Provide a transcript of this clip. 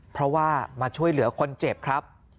เพราะว่ามาช่วยเหลือคนเจ็บครับ